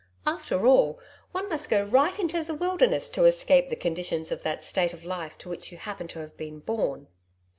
After all, one must go right into the Wilderness to escape the conditions of that state of life to which you happen to have been born.